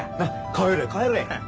帰れ帰れ。